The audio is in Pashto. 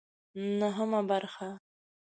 نهمه برخه